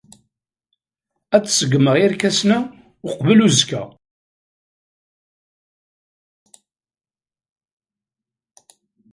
Ad d-ṣeggmeɣ irkasen-a uqbel uzekka.